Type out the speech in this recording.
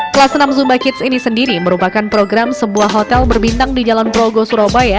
kelas enam zumba kids ini sendiri merupakan program sebuah hotel berbintang di jalan progo surabaya